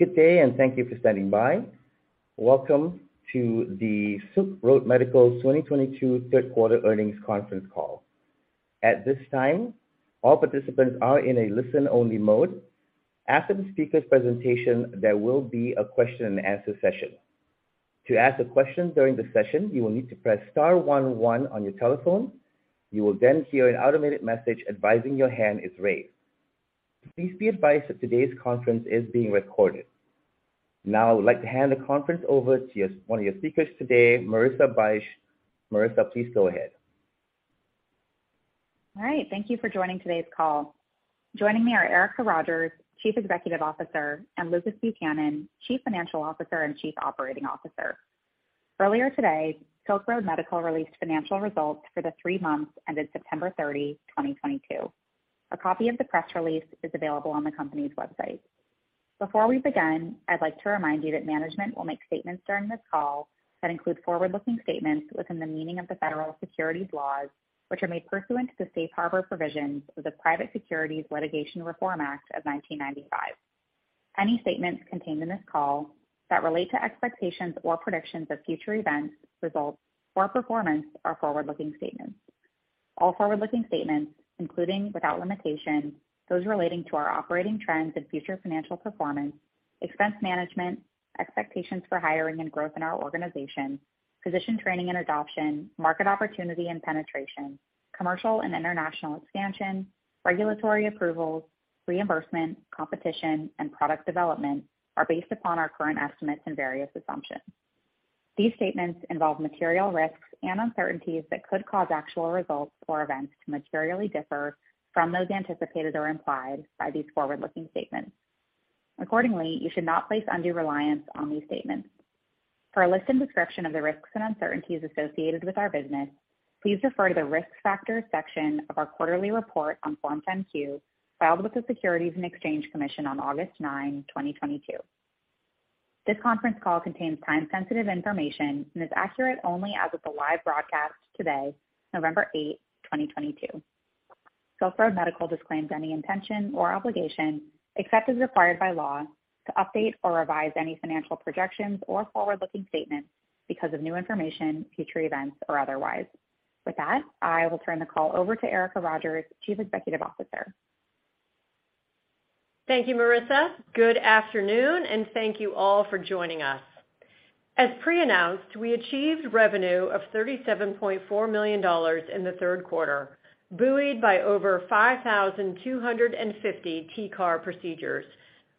Good day. Thank you for standing by. Welcome to the Silk Road Medical 2022 third quarter earnings conference call. At this time, all participants are in a listen-only mode. After the speaker's presentation, there will be a question and answer session. To ask a question during the session, you will need to press star one one on your telephone. You will then hear an automated message advising your hand is raised. Please be advised that today's conference is being recorded. Now I would like to hand the conference over to one of your speakers today, Marissa Bych. Marissa, please go ahead. All right. Thank you for joining today's call. Joining me are Erica Rogers, Chief Executive Officer, and Lucas Buchanan, Chief Financial Officer and Chief Operating Officer. Earlier today, Silk Road Medical released financial results for the three months ended September 30, 2022. A copy of the press release is available on the company's website. Before we begin, I'd like to remind you that management will make statements during this call that include forward-looking statements within the meaning of the federal securities laws, which are made pursuant to the safe harbor provisions of the Private Securities Litigation Reform Act of 1995. Any statements contained in this call that relate to expectations or predictions of future events, results, or performance are forward-looking statements. All forward-looking statements, including, without limitation, those relating to our operating trends and future financial performance, expense management, expectations for hiring and growth in our organization, physician training and adoption, market opportunity and penetration, commercial and international expansion, regulatory approvals, reimbursement, competition, and product development, are based upon our current estimates and various assumptions. These statements involve material risks and uncertainties that could cause actual results or events to materially differ from those anticipated or implied by these forward-looking statements. Accordingly, you should not place undue reliance on these statements. For a list and description of the risks and uncertainties associated with our business, please refer to the Risk Factors section of our quarterly report on Form 10-Q filed with the Securities and Exchange Commission on August nine, 2022. This conference call contains time-sensitive information and is accurate only as of the live broadcast today, November eight, 2022. Silk Road Medical disclaims any intention or obligation, except as required by law, to update or revise any financial projections or forward-looking statements because of new information, future events, or otherwise. With that, I will turn the call over to Erica Rogers, Chief Executive Officer. Thank you, Marissa. Good afternoon, and thank you all for joining us. As pre-announced, we achieved revenue of $37.4 million in the third quarter, buoyed by over 5,250 TCAR procedures,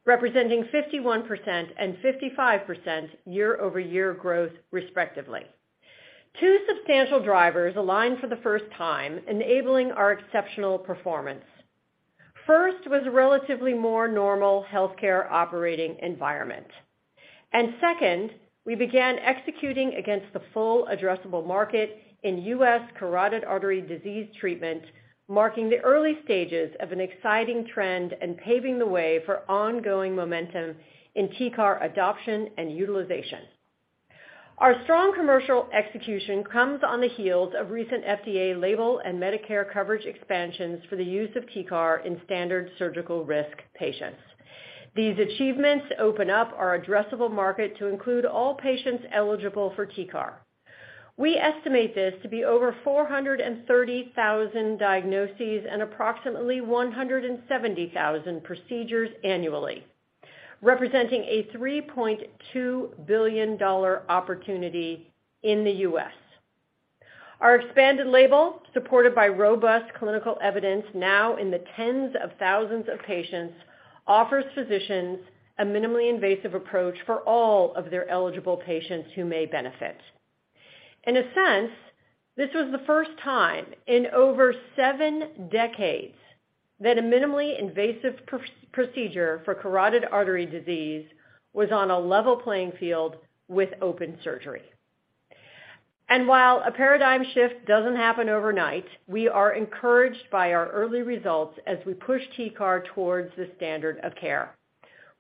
representing 51% and 55% year-over-year growth, respectively. Two substantial drivers aligned for the first time, enabling our exceptional performance. First was a relatively more normal healthcare operating environment. Second, we began executing against the full addressable market in U.S. carotid artery disease treatment, marking the early stages of an exciting trend and paving the way for ongoing momentum in TCAR adoption and utilization. Our strong commercial execution comes on the heels of recent FDA label and Medicare coverage expansions for the use of TCAR in standard surgical risk patients. These achievements open up our addressable market to include all patients eligible for TCAR. We estimate this to be over 430,000 diagnoses and approximately 170,000 procedures annually, representing a $3.2 billion opportunity in the U.S. Our expanded label, supported by robust clinical evidence now in the tens of thousands of patients, offers physicians a minimally invasive approach for all of their eligible patients who may benefit. In a sense, this was the first time in over seven decades that a minimally invasive procedure for carotid artery disease was on a level playing field with open surgery. While a paradigm shift doesn't happen overnight, we are encouraged by our early results as we push TCAR towards the standard of care.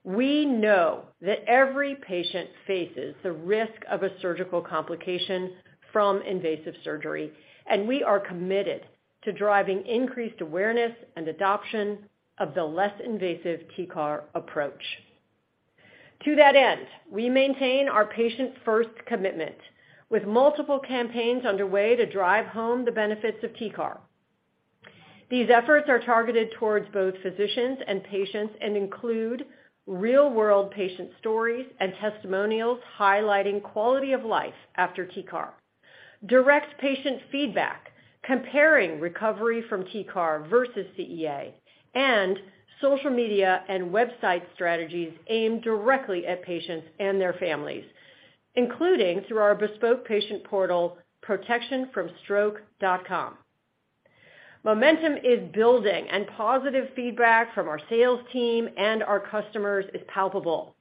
We know that every patient faces the risk of a surgical complication from invasive surgery, and we are committed to driving increased awareness and adoption of the less invasive TCAR approach. To that end, we maintain our patient-first commitment, with multiple campaigns underway to drive home the benefits of TCAR. These efforts are targeted towards both physicians and patients and include real-world patient stories and testimonials highlighting quality of life after TCAR, direct patient feedback comparing recovery from TCAR versus CEA, and social media and website strategies aimed directly at patients and their families, including through our bespoke patient portal, protectionfromstroke.com. Momentum is building. Positive feedback from our sales team and our customers is palpable.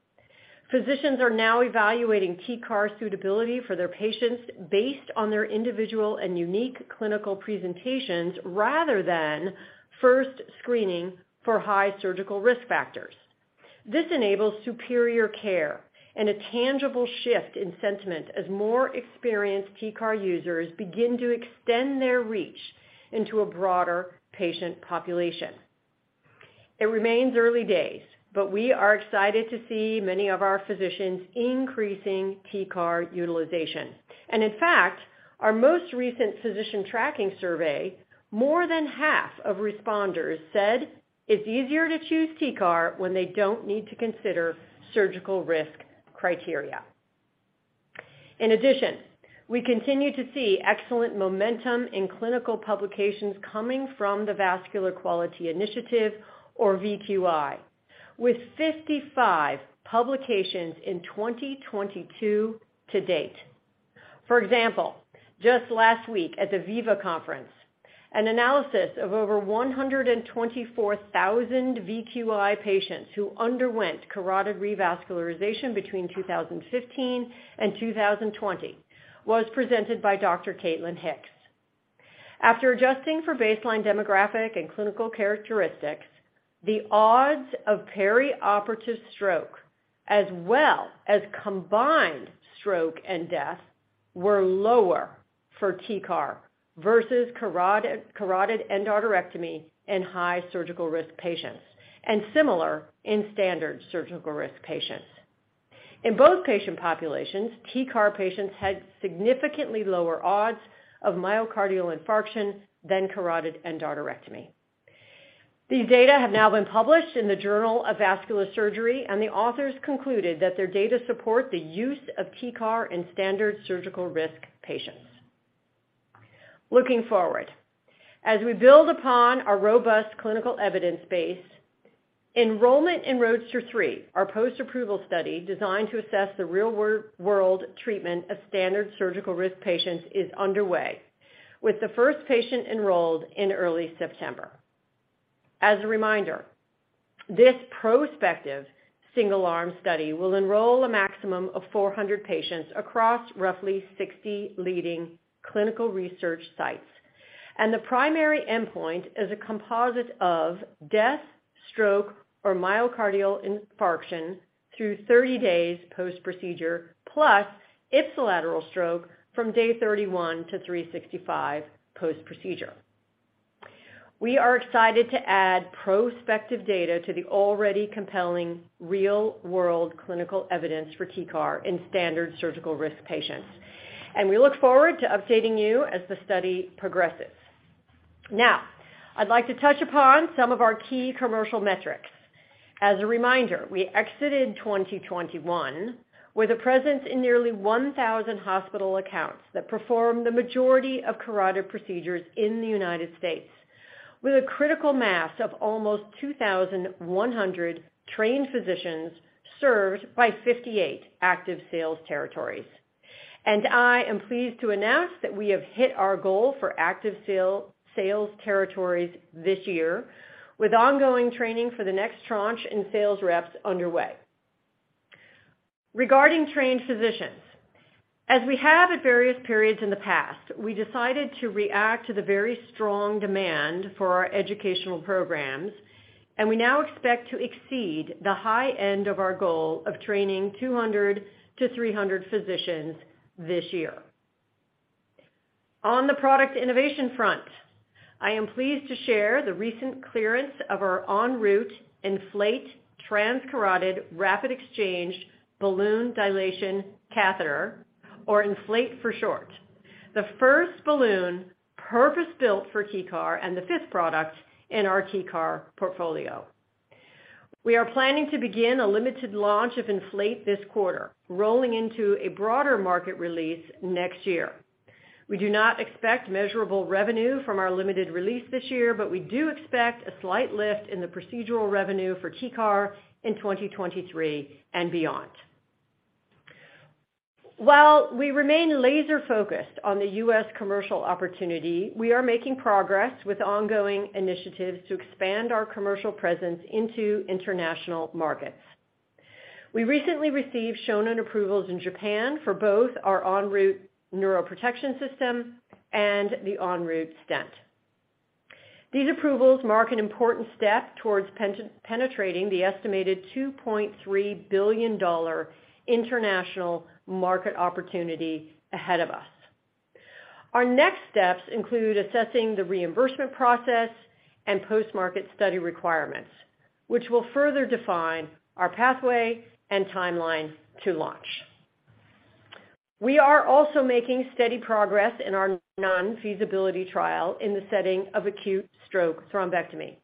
Physicians are now evaluating TCAR suitability for their patients based on their individual and unique clinical presentations, rather than first screening for high surgical risk factors. This enables superior care and a tangible shift in sentiment as more experienced TCAR users begin to extend their reach into a broader patient population. It remains early days, but we are excited to see many of our physicians increasing TCAR utilization. In fact, our most recent physician tracking survey, more than half of responders said it's easier to choose TCAR when they don't need to consider surgical risk criteria. In addition, we continue to see excellent momentum in clinical publications coming from the Vascular Quality Initiative, or VQI, with 55 publications in 2022 to date. For example, just last week at the VIVA Conference, an analysis of over 124,000 VQI patients who underwent carotid revascularization between 2015 and 2020 was presented by Dr. Caitlin Hicks. After adjusting for baseline demographic and clinical characteristics, the odds of perioperative stroke, as well as combined stroke and death, were lower for TCAR versus carotid endarterectomy in high surgical risk patients, and similar in standard surgical risk patients. In both patient populations, TCAR patients had significantly lower odds of myocardial infarction than carotid endarterectomy. The authors concluded that their data support the use of TCAR in standard surgical risk patients. Looking forward, as we build upon our robust clinical evidence base, enrollment in ROADSTER 3, our post-approval study designed to assess the real-world treatment of standard surgical risk patients, is underway, with the first patient enrolled in early September. As a reminder, this prospective single-arm study will enroll a maximum of 400 patients across roughly 60 leading clinical research sites. The primary endpoint is a composite of death, stroke, or myocardial infarction through 30 days post-procedure, plus ipsilateral stroke from day 31 to 365 post-procedure. We are excited to add prospective data to the already compelling real-world clinical evidence for TCAR in standard surgical risk patients, and we look forward to updating you as the study progresses. Now, I'd like to touch upon some of our key commercial metrics. As a reminder, we exited 2021 with a presence in nearly 1,000 hospital accounts that perform the majority of carotid procedures in the U.S., with a critical mass of almost 2,100 trained physicians served by 58 active sales territories. I am pleased to announce that we have hit our goal for active sales territories this year, with ongoing training for the next tranche in sales reps underway. Regarding trained physicians, as we have at various periods in the past, we decided to react to the very strong demand for our educational programs. We now expect to exceed the high end of our goal of training 200 to 300 physicians this year. On the product innovation front, I am pleased to share the recent clearance of our ENROUTE Enflate Transcarotid RX Balloon Dilatation Catheter, or ENFLATE for short, the first balloon purpose-built for TCAR and the fifth product in our TCAR portfolio. We are planning to begin a limited launch of ENFLATE this quarter, rolling into a broader market release next year. We do not expect measurable revenue from our limited release this year. We do expect a slight lift in the procedural revenue for TCAR in 2023 and beyond. While we remain laser-focused on the U.S. commercial opportunity, we are making progress with ongoing initiatives to expand our commercial presence into international markets. We recently received Shonin approvals in Japan for both our ENROUTE Neuroprotection System and the ENROUTE Stent. These approvals mark an important step towards penetrating the estimated $2.3 billion international market opportunity ahead of us. Our next steps include assessing the reimbursement process and post-market study requirements, which will further define our pathway and timeline to launch. We are also making steady progress in our non-feasibility trial in the setting of acute stroke thrombectomy.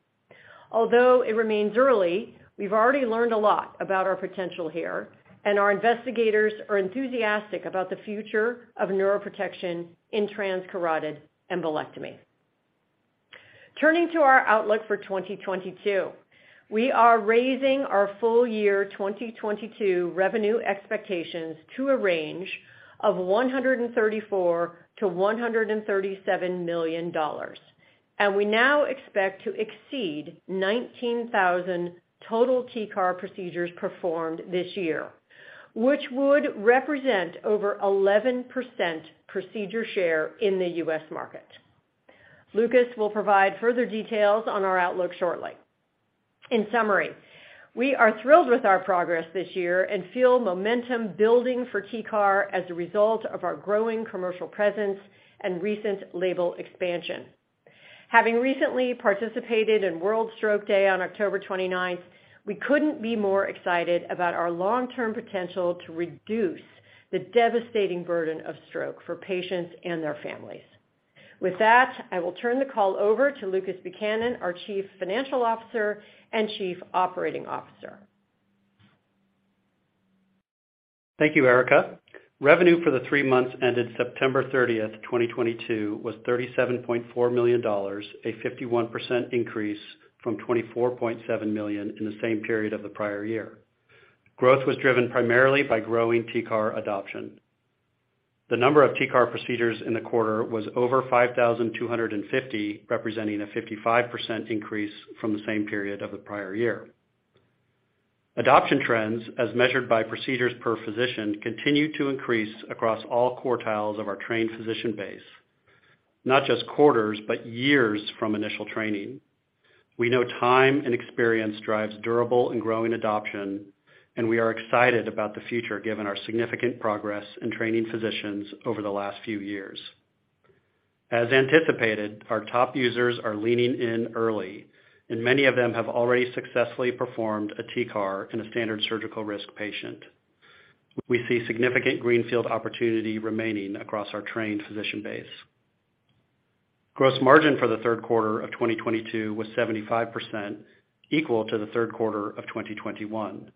Although it remains early, we've already learned a lot about our potential here, and our investigators are enthusiastic about the future of neuroprotection in transcarotid embolectomy. Turning to our outlook for 2022, we are raising our full year 2022 revenue expectations to a range of $134 million-$137 million, and we now expect to exceed 19,000 total TCAR procedures performed this year, which would represent over 11% procedure share in the U.S. market. Lucas will provide further details on our outlook shortly. In summary, we are thrilled with our progress this year and feel momentum building for TCAR as a result of our growing commercial presence and recent label expansion. Having recently participated in World Stroke Day on October 29th, we couldn't be more excited about our long-term potential to reduce the devastating burden of stroke for patients and their families. With that, I will turn the call over to Lucas Buchanan, our Chief Financial Officer and Chief Operating Officer. Thank you, Erica. Revenue for the three months ended September 30th, 2022, was $37.4 million, a 51% increase from $24.7 million in the same period of the prior year. Growth was driven primarily by growing TCAR adoption. The number of TCAR procedures in the quarter was over 5,250, representing a 55% increase from the same period of the prior year. Adoption trends, as measured by procedures per physician, continue to increase across all quartiles of our trained physician base, not just quarters, but years from initial training. We know time and experience drives durable and growing adoption, and we are excited about the future given our significant progress in training physicians over the last few years. As anticipated, our top users are leaning in early, and many of them have already successfully performed a TCAR in a standard surgical risk patient. We see significant greenfield opportunity remaining across our trained physician base. Gross margin for the third quarter of 2022 was 75%, equal to the third quarter of 2021.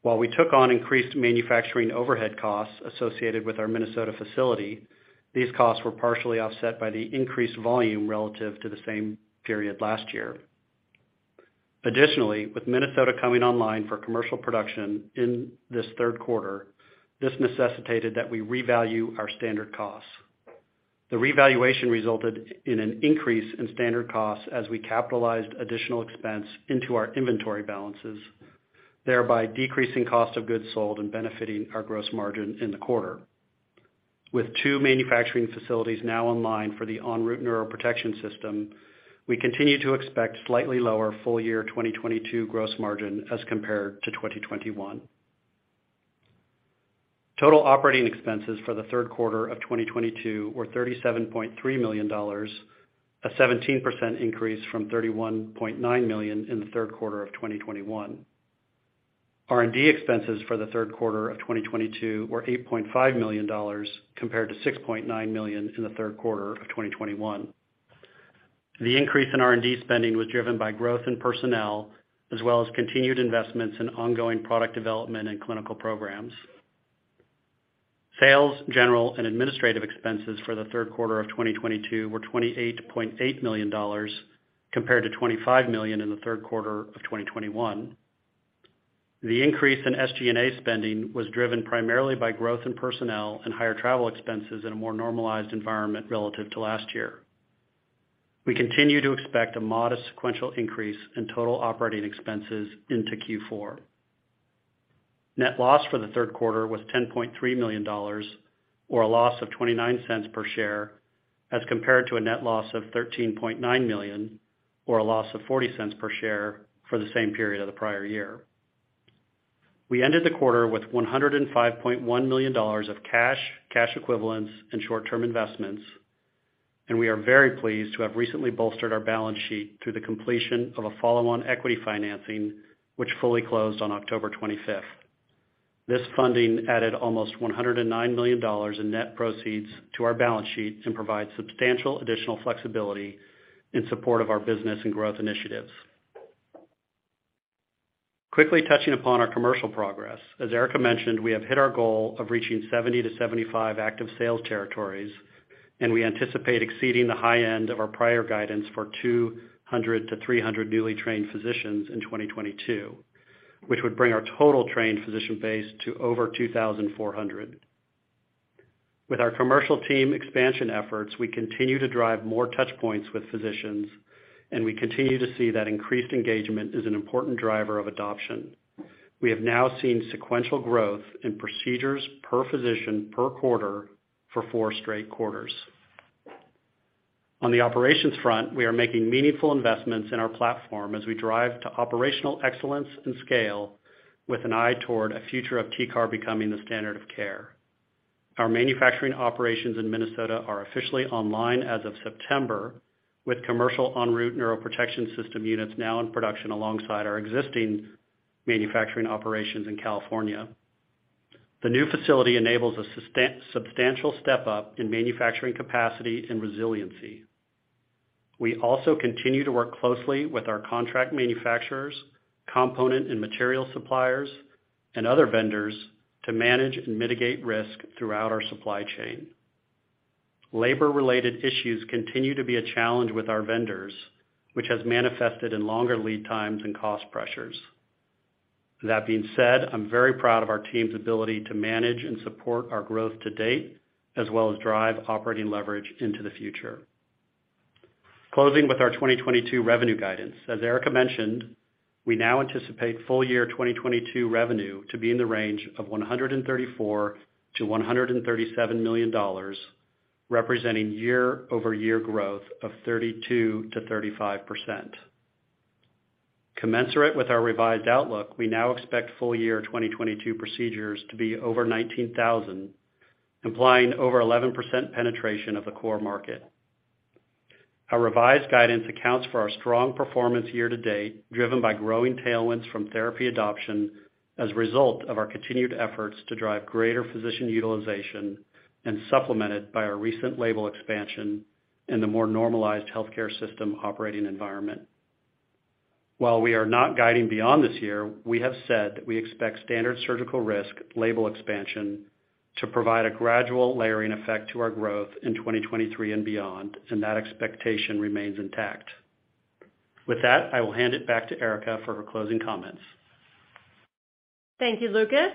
While we took on increased manufacturing overhead costs associated with our Minnesota facility, these costs were partially offset by the increased volume relative to the same period last year. Additionally, with Minnesota coming online for commercial production in this third quarter, this necessitated that we revalue our standard costs. The revaluation resulted in an increase in standard costs as we capitalized additional expense into our inventory balances, thereby decreasing cost of goods sold and benefiting our gross margin in the quarter. With two manufacturing facilities now online for the ENROUTE Neuroprotection System, we continue to expect slightly lower full year 2022 gross margin as compared to 2021. Total operating expenses for the third quarter of 2022 were $37.3 million, a 17% increase from $31.9 million in the third quarter of 2021. R&D expenses for the third quarter of 2022 were $8.5 million, compared to $6.9 million in the third quarter of 2021. The increase in R&D spending was driven by growth in personnel, as well as continued investments in ongoing product development and clinical programs. Sales, general, and administrative expenses for the third quarter of 2022 were $28.8 million, compared to $25 million in the third quarter of 2021. The increase in SG&A spending was driven primarily by growth in personnel and higher travel expenses in a more normalized environment relative to last year. We continue to expect a modest sequential increase in total operating expenses into Q4. Net loss for the third quarter was $10.3 million, or a loss of $0.29 per share, as compared to a net loss of $13.9 million, or a loss of $0.40 per share for the same period of the prior year. We ended the quarter with $105.1 million of cash equivalents, and short-term investments. We are very pleased to have recently bolstered our balance sheet through the completion of a follow-on equity financing, which fully closed on October 25th. This funding added almost $109 million in net proceeds to our balance sheet and provides substantial additional flexibility in support of our business and growth initiatives. Quickly touching upon our commercial progress. As Erica mentioned, we have hit our goal of reaching 70-75 active sales territories. We anticipate exceeding the high end of our prior guidance for 200-300 newly trained physicians in 2022, which would bring our total trained physician base to over 2,400. With our commercial team expansion efforts, we continue to drive more touchpoints with physicians. We continue to see that increased engagement is an important driver of adoption. We have now seen sequential growth in procedures per physician per quarter for four straight quarters. On the operations front, we are making meaningful investments in our platform as we drive to operational excellence and scale with an eye toward a future of TCAR becoming the standard of care. Our manufacturing operations in Minnesota are officially online as of September, with commercial ENROUTE Neuroprotection System units now in production alongside our existing manufacturing operations in California. The new facility enables a substantial step up in manufacturing capacity and resiliency. We also continue to work closely with our contract manufacturers, component and material suppliers, and other vendors to manage and mitigate risk throughout our supply chain. Labor-related issues continue to be a challenge with our vendors, which has manifested in longer lead times and cost pressures. That being said, I'm very proud of our team's ability to manage and support our growth to date, as well as drive operating leverage into the future. Closing with our 2022 revenue guidance. As Erica mentioned, we now anticipate full year 2022 revenue to be in the range of $134 million-$137 million, representing year-over-year growth of 32%-35%. Commensurate with our revised outlook, we now expect full year 2022 procedures to be over 19,000, implying over 11% penetration of the core market. Our revised guidance accounts for our strong performance year to date, driven by growing tailwinds from therapy adoption as a result of our continued efforts to drive greater physician utilization and supplemented by our recent label expansion and the more normalized healthcare system operating environment. While we are not guiding beyond this year, we have said that we expect standard surgical risk label expansion to provide a gradual layering effect to our growth in 2023 and beyond. That expectation remains intact. With that, I will hand it back to Erica for her closing comments. Thank you, Lucas.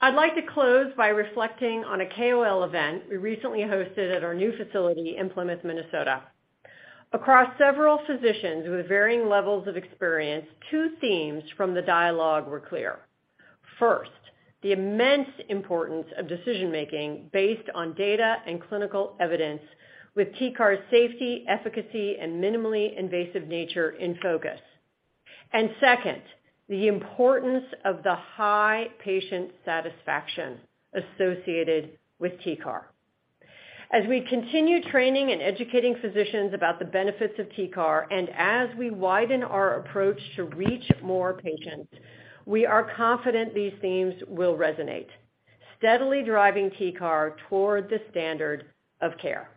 I'd like to close by reflecting on a KOL event we recently hosted at our new facility in Plymouth, Minnesota. Across several physicians with varying levels of experience, two themes from the dialogue were clear. First, the immense importance of decision-making based on data and clinical evidence with TCAR safety, efficacy, and minimally invasive nature in focus. Second, the importance of the high patient satisfaction associated with TCAR. As we continue training and educating physicians about the benefits of TCAR, as we widen our approach to reach more patients, we are confident these themes will resonate, steadily driving TCAR toward the standard of care.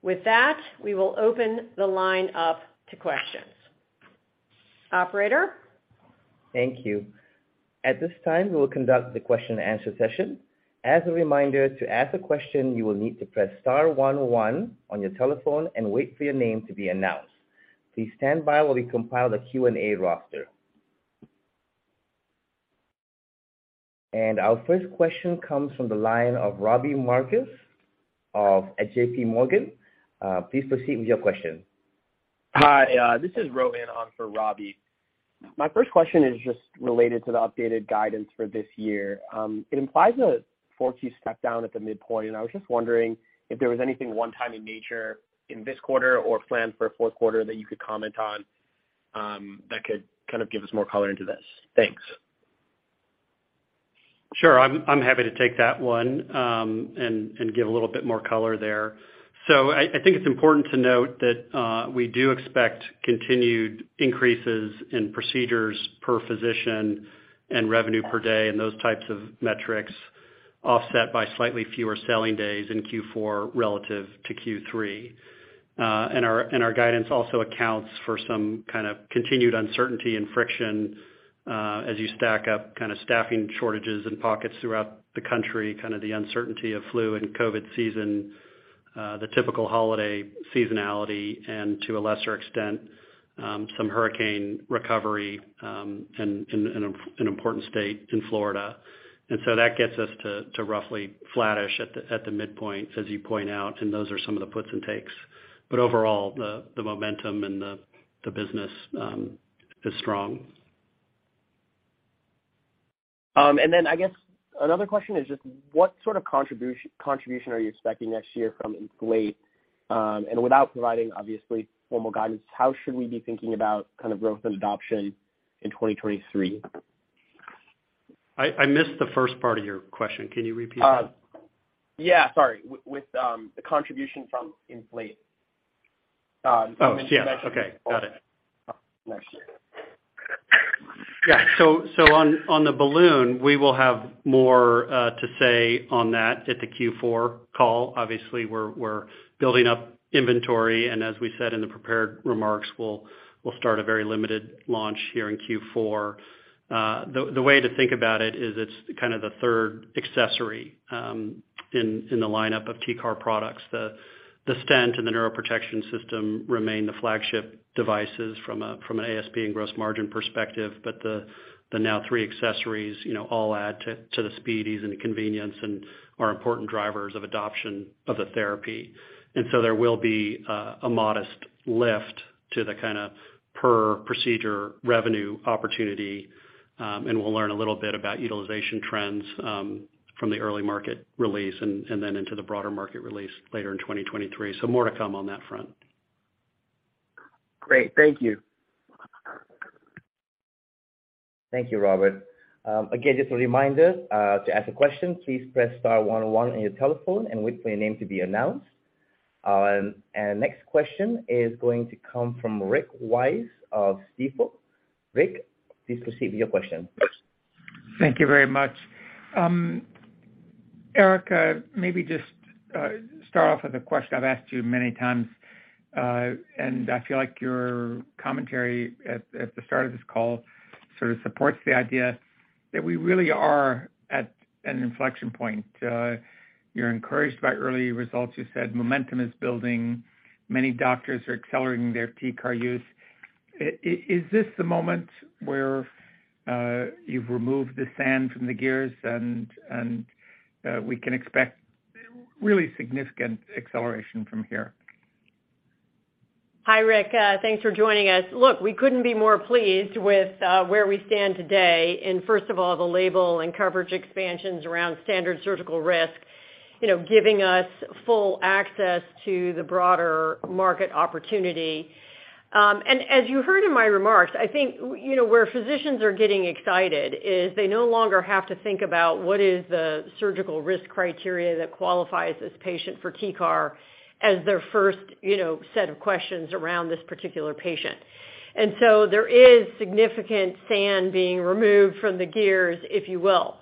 With that, we will open the line up to questions. Operator? Thank you. At this time, we will conduct the question and answer session. As a reminder, to ask a question, you will need to press star one one on your telephone and wait for your name to be announced. Please stand by while we compile the Q&A roster. Our first question comes from the line of Robbie Marcus of JP Morgan. Please proceed with your question. Hi. This is Rohan on for Robbie. My first question is just related to the updated guidance for this year. It implies a 40 step down at the midpoint. I was just wondering if there was anything one time in nature in this quarter or planned for fourth quarter that you could comment on that could kind of give us more color into this. Thanks. Sure. I'm happy to take that one and give a little bit more color there. I think it's important to note that we do expect continued increases in procedures per physician and revenue per day and those types of metrics offset by slightly fewer selling days in Q4 relative to Q3. Our guidance also accounts for some kind of continued uncertainty and friction as you stack up kind of staffing shortages in pockets throughout the country, kind of the uncertainty of flu and COVID season, the typical holiday seasonality, and to a lesser extent, some hurricane recovery in an important state in Florida. That gets us to roughly flattish at the midpoint as you point out, and those are some of the puts and takes. Overall, the momentum and the business is strong. I guess another question is just what sort of contribution are you expecting next year from ENFLATE? Without providing, obviously, formal guidance, how should we be thinking about kind of growth and adoption in 2023? I missed the first part of your question. Can you repeat that? Yeah, sorry. With the contribution from ENFLATE. Yes. Okay. Got it. Next year. Yeah. On the balloon, we'll have more to say on that at the Q4 call. Obviously, we're building up inventory, and as we said in the prepared remarks, we'll start a very limited launch here in Q4. The way to think about it is it's kind of the third accessory in the lineup of TCAR products. The stent and the neuroprotection system remain the flagship devices from an ASP and gross margin perspective, but the now three accessories all add to the speed, ease, and convenience and are important drivers of adoption of the therapy. There will be a modest lift to the kind of per procedure revenue opportunity, and we'll learn a little bit about utilization trends from the early market release and then into the broader market release later in 2023. More to come on that front. Great, thank you. Thank you, Robert. Again, just a reminder to ask a question, please press star one one on your telephone and wait for your name to be announced. Next question is going to come from Rick Wise of Stifel. Rick, please proceed with your question. Thank you very much. Erica, maybe just start off with a question I've asked you many times, and I feel like your commentary at the start of this call sort of supports the idea that we really are at an inflection point. You're encouraged by early results. You said momentum is building. Many doctors are accelerating their TCAR use. Is this the moment where you've removed the sand from the gears and we can expect really significant acceleration from here? Hi, Rick. Thanks for joining us. Look, we couldn't be more pleased with where we stand today in, first of all, the label and coverage expansions around standard surgical risk, giving us full access to the broader market opportunity. As you heard in my remarks, I think where physicians are getting excited is they no longer have to think about what is the surgical risk criteria that qualifies this patient for TCAR as their first set of questions around this particular patient. There is significant sand being removed from the gears, if you will.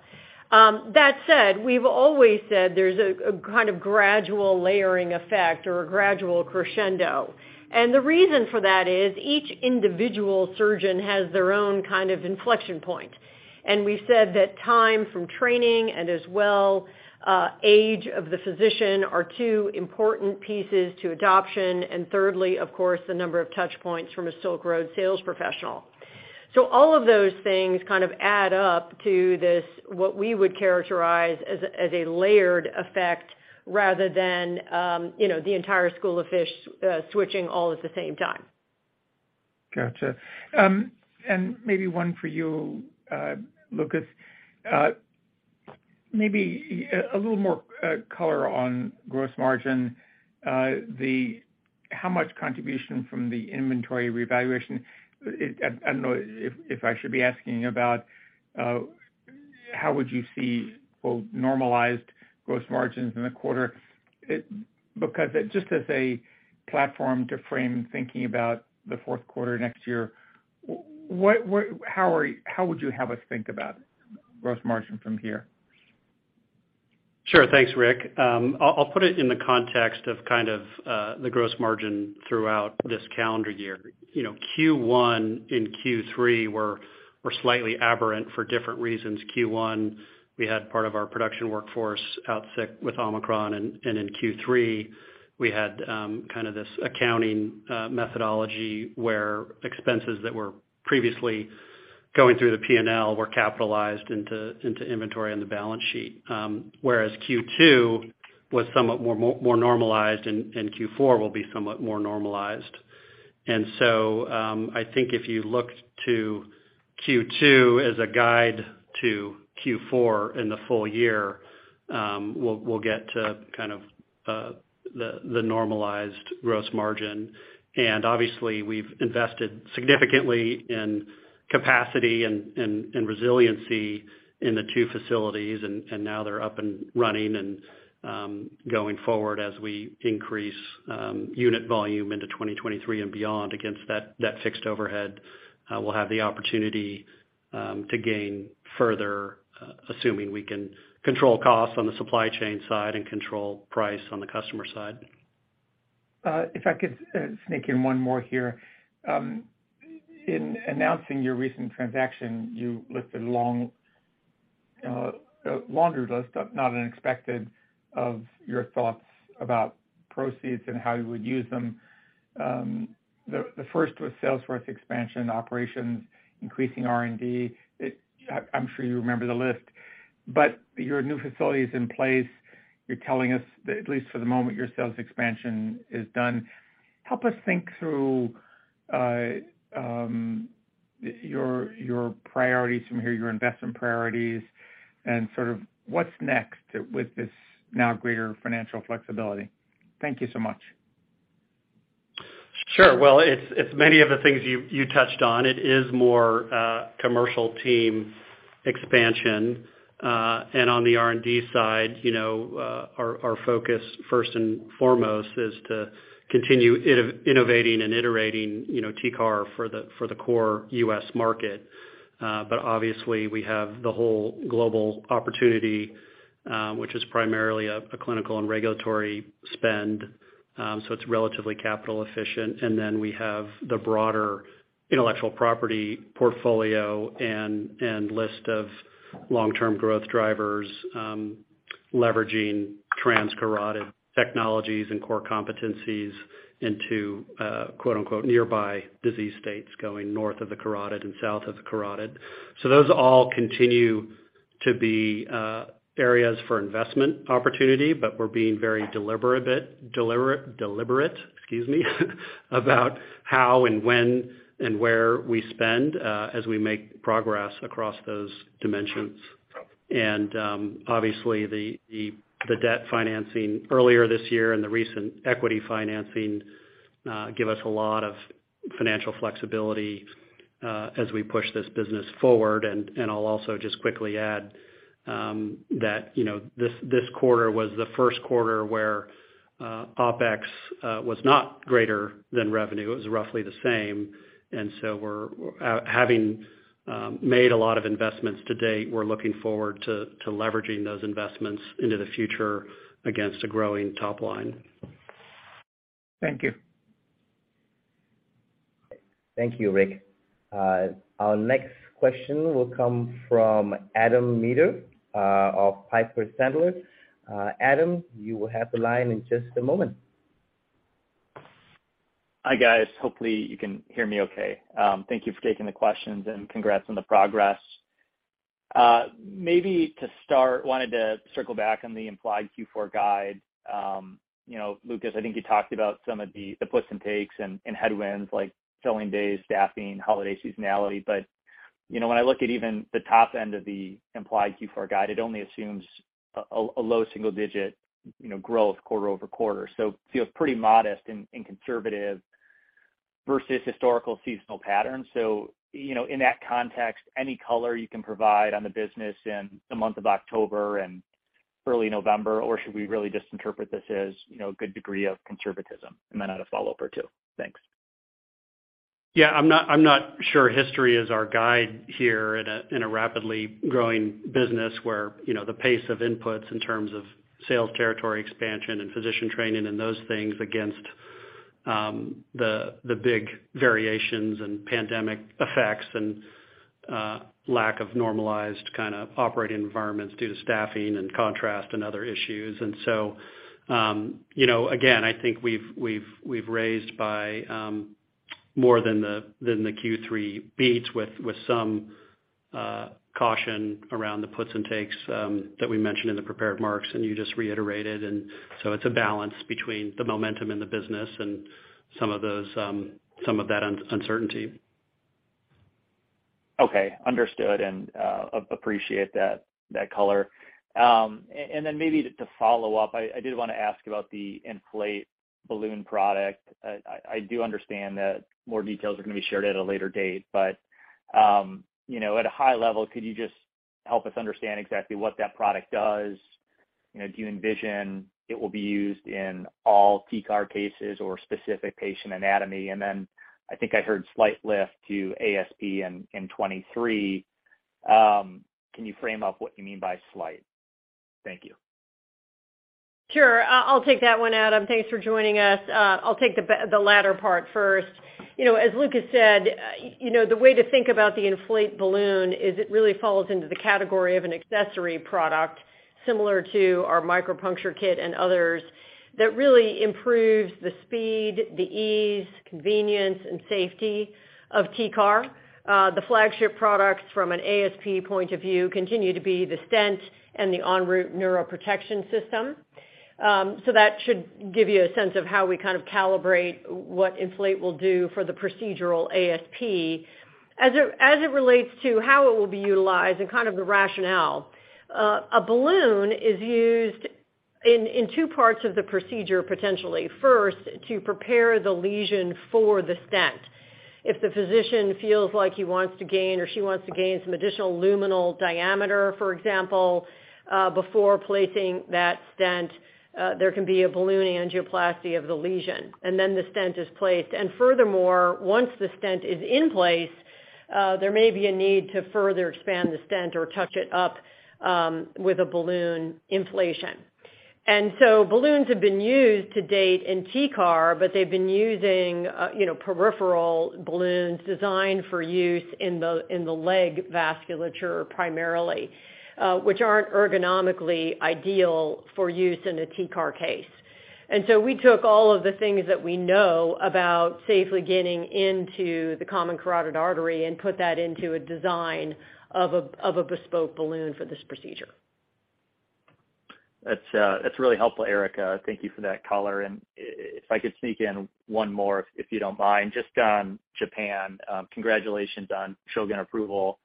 That said, we've always said there's a kind of gradual layering effect or a gradual crescendo. The reason for that is each individual surgeon has their own kind of inflection point. We've said that time from training and as well, age of the physician are two important pieces to adoption. Thirdly, of course, the number of touchpoints from a Silk Road sales professional. All of those things kind of add up to this, what we would characterize as a layered effect rather than the entire school of fish switching all at the same time. Got you. Maybe one for you, Lucas. Maybe a little more color on gross margin. How much contribution from the inventory revaluation? I don't know if I should be asking about how would you see normalized gross margins in the quarter. Just as a platform to frame thinking about the fourth quarter next year, how would you have us think about gross margin from here? Sure. Thanks, Rick. I'll put it in the context of kind of the gross margin throughout this calendar year. Q1 and Q3 were slightly aberrant for different reasons. Q1, we had part of our production workforce out sick with Omicron, and in Q3, we had this accounting methodology where expenses that were previously going through the P&L were capitalized into inventory on the balance sheet. Whereas Q2 was somewhat more normalized, and Q4 will be somewhat more normalized. I think if you looked to Q2 as a guide to Q4 in the full year, we'll get to kind of the normalized gross margin. Obviously, we've invested significantly in capacity and resiliency in the two facilities, and now they're up and running and going forward as we increase unit volume into 2023 and beyond against that fixed overhead. We'll have the opportunity to gain further, assuming we can control costs on the supply chain side and control price on the customer side. If I could sneak in one more here. In announcing your recent transaction, you listed a laundry list of not unexpected of your thoughts about proceeds and how you would use them. The first was sales force expansion, operations, increasing R&D. I'm sure you remember the list. Your new facility is in place. You're telling us that at least for the moment, your sales expansion is done. Help us think through your priorities from here, your investment priorities, and sort of what's next with this now greater financial flexibility. Thank you so much. Sure. It's many of the things you touched on. It is more commercial team expansion. On the R&D side, our focus first and foremost is to continue innovating and iterating TCAR for the core U.S. market. Obviously, we have the whole global opportunity, which is primarily a clinical and regulatory spend, so it's relatively capital efficient. We have the broader intellectual property portfolio and list of long-term growth drivers, leveraging transcarotid technologies and core competencies into "nearby disease states" going north of the carotid and south of the carotid. Those all continue to be areas for investment opportunity, but we're being very deliberate about how and when and where we spend as we make progress across those dimensions. The debt financing earlier this year and the recent equity financing give us a lot of financial flexibility as we push this business forward. I'll also just quickly add that this quarter was the first quarter where OpEx was not greater than revenue. It was roughly the same. Having made a lot of investments to date, we're looking forward to leveraging those investments into the future against a growing top line. Thank you. Thank you, Rick. Our next question will come from Adam Maeder of Piper Sandler. Adam, you will have the line in just a moment. Hi, guys. Hopefully, you can hear me okay. Thank you for taking the questions. Congrats on the progress. Maybe to start, wanted to circle back on the implied Q4 guide. Lucas, I think you talked about some of the puts and takes and headwinds like selling days, staffing, holiday seasonality. When I look at even the top end of the implied Q4 guide, it only assumes a low single-digit growth quarter-over-quarter, so feels pretty modest and conservative versus historical seasonal patterns. In that context, any color you can provide on the business in the month of October and early November? Or should we really just interpret this as a good degree of conservatism? Then I had a follow-up or two. Thanks. Yeah, I'm not sure history is our guide here in a rapidly growing business where the pace of inputs in terms of sales territory expansion and physician training and those things against the big variations and pandemic effects and lack of normalized kind of operating environments due to staffing and contrast and other issues. Again, I think we've raised by more than the Q3 beats with some caution around the puts and takes that we mentioned in the prepared remarks, and you just reiterated. It's a balance between the momentum and the business and some of that uncertainty. Okay. Understood, and appreciate that color. Then maybe to follow up, I did want to ask about the ENFLATE balloon product. I do understand that more details are going to be shared at a later date. At a high level, could you just help us understand exactly what that product does? Do you envision it will be used in all TCAR cases or specific patient anatomy? Then I think I heard slight lift to ASP in 2023. Can you frame up what you mean by slight? Thank you. Sure. I'll take that one, Adam. Thanks for joining us. I'll take the latter part first. As Lucas said, the way to think about the ENFLATE balloon is it really falls into the category of an accessory product, similar to our micropuncture kit and others, that really improves the speed, the ease, convenience, and safety of TCAR. The flagship products from an ASP point of view continue to be the stent and the ENROUTE Transcarotid Neuroprotection System. That should give you a sense of how we kind of calibrate what ENFLATE will do for the procedural ASP. As it relates to how it will be utilized and kind of the rationale, a balloon is used in two parts of the procedure, potentially. First, to prepare the lesion for the stent. If the physician feels like he wants to gain or she wants to gain some additional luminal diameter, for example, before placing that stent, there can be a balloon angioplasty of the lesion, then the stent is placed. Furthermore, once the stent is in place, there may be a need to further expand the stent or touch it up with a balloon inflation. Balloons have been used to date in TCAR, but they've been using peripheral balloons designed for use in the leg vasculature primarily, which aren't ergonomically ideal for use in a TCAR case. We took all of the things that we know about safely getting into the common carotid artery and put that into a design of a bespoke balloon for this procedure. That's really helpful, Erica. Thank you for that color. If I could sneak in one more, if you don't mind, just on Japan. Congratulations on Shonin approval.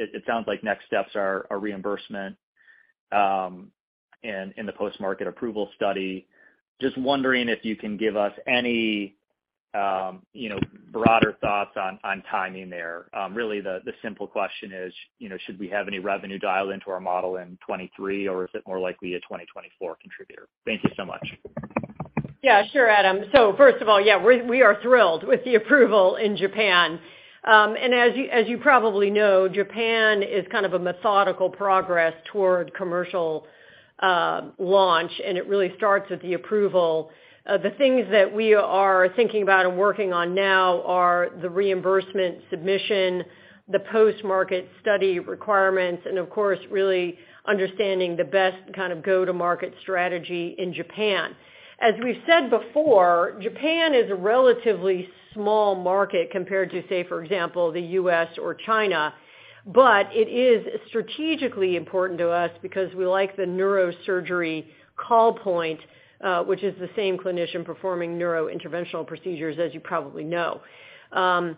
It sounds like next steps are reimbursement in the post-market approval study. Just wondering if you can give us any broader thoughts on timing there. Really the simple question is, should we have any revenue dialed into our model in 2023, or is it more likely a 2024 contributor? Thank you so much. Sure, Adam Maeder. First of all, we are thrilled with the approval in Japan. As you probably know, Japan is kind of a methodical progress toward commercial launch, and it really starts with the approval. The things that we are thinking about and working on now are the reimbursement submission, the post-market study requirements, and of course, really understanding the best kind of go-to-market strategy in Japan. As we've said before, Japan is a relatively small market compared to, say, for example, the U.S. or China. It is strategically important to us because we like the neurosurgery call point, which is the same clinician performing neurointerventional procedures, as you probably know. The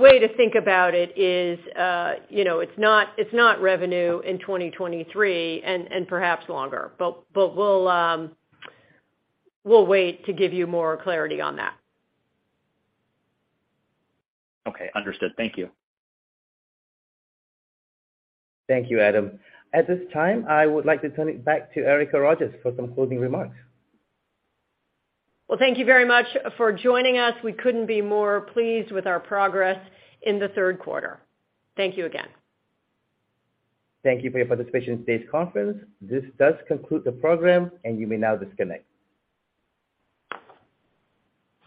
way to think about it is it's not revenue in 2023 and perhaps longer. We'll wait to give you more clarity on that. Okay. Understood. Thank you. Thank you, Adam Maeder. At this time, I would like to turn it back to Erica Rogers for some closing remarks. Well, thank you very much for joining us. We couldn't be more pleased with our progress in the third quarter. Thank you again. Thank you for your participation in today's conference. This does conclude the program. You may now disconnect.